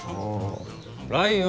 ライオン。